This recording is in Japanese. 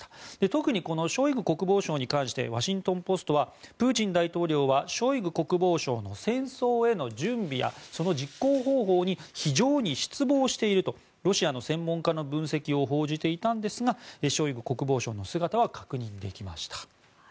特にショイグ国防相に関してワシントン・ポストはプーチン大統領はショイグ国防相の戦争への準備やその実行方法に非常に失望しているとロシアの専門家の分析を報じていたんですがショイグ国防相の姿は確認できました。